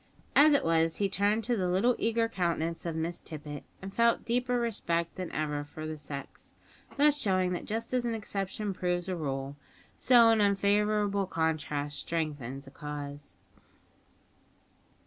As it was, he turned to the little eager countenance of Miss Tippet, and felt deeper respect than ever for the sex; thus showing that just as an exception proves a rule, so an unfavourable contrast strengthens a cause.